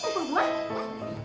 kan aturan gue yang mukul lu